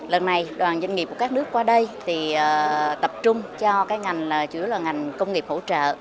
lần này đoàn doanh nghiệp của các nước qua đây thì tập trung cho cái ngành là chủ yếu là ngành công nghiệp hỗ trợ